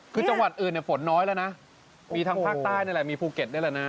คือจังหวัดอื่นฝนน้อยแล้วนะมีทางภาคใต้มีภูเก็ตได้แล้วนะ